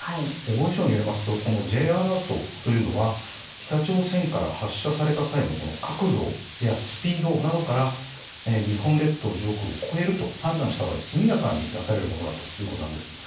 防衛省によりますとＪアラートというのは北朝鮮から発射された際の角度やスピードなどから日本列島上空を越えると判断した場合、速やかに出されるものだということなんです。